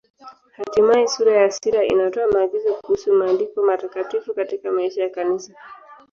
Hatimaye sura ya sita inatoa maagizo kuhusu Maandiko Matakatifu katika maisha ya Kanisa.